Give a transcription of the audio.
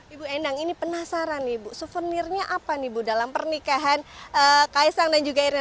ibu endang ini penasaran nih ibu souvenirnya apa nih bu dalam pernikahan kaisang dan juga irna